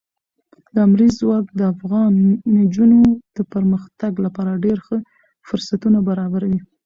لمریز ځواک د افغان نجونو د پرمختګ لپاره ډېر ښه فرصتونه برابروي.